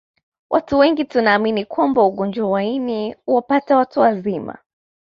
Watu wengi tunaamini kwamba ugonjwa wa ini huwapata watu wazima